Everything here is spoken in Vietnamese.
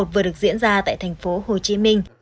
vừa được diễn ra tại thành phố hồ chí minh